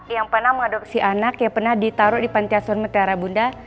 yang pernah mengadopsi anak yang pernah ditaruh di panti asuhan mutiara bunda